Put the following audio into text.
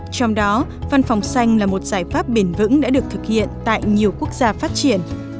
trong đó văn phòng xanh là một giải pháp bền vững đã được thực hiện tại nhiều quốc gia phát triển